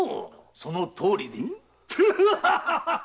そのとおり。